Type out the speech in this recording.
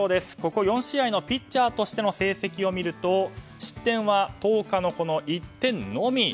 ここ４試合のピッチャーとしての成績を見ると失点は１０日の１点のみ。